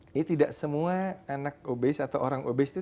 ini tidak semua anak obes atau orang obes itu